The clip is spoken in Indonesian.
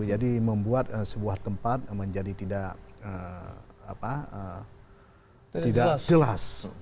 jadi membuat sebuah tempat menjadi tidak jelas